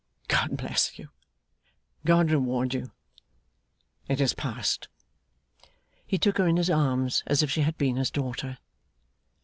GOD bless you, GOD reward you! It is past.' He took her in his arms, as if she had been his daughter.